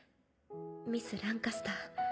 ミス・ランカスター。